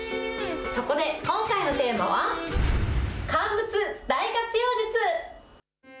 そこで今回のテーマは乾物大活用術。